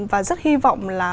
và rất hy vọng là